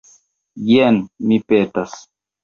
Jen, mi petas.